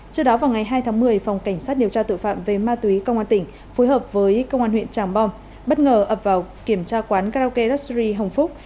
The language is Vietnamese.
trước đó vào ngày hai tháng một mươi phòng cảnh sát điều tra tội phạm về ma túy công an tỉnh phối hợp với công an huyện tràng bom bất ngờ ập vào kiểm tra quán karaoke rese hồng phúc